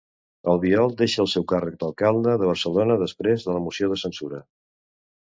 Albiol deixa el seu càrrec d'alcalde de Barcelona després de la moció de censura.